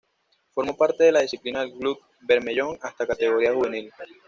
Formó parte de la disciplina del Club Bermellón hasta categoría juvenil.